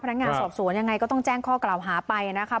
พนักงานสอบสวนยังไงก็ต้องแจ้งข้อกล่าวหาไปนะคะ